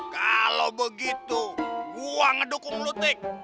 kalau begitu gua ngedukung lu tik